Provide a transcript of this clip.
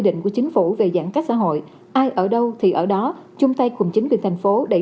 định của chính phủ về giãn cách xã hội ai ở đâu thì ở đó chung tay cùng chính quyền thành phố đẩy